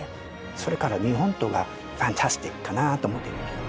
それから日本刀はファンタスティックかなと思ってるんだけど。